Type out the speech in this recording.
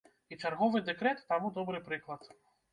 І чарговы дэкрэт таму добры прыклад.